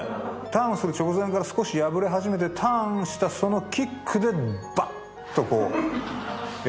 ターンする直前から少し破れ始めてターンしたそのキックでばっと破れていく。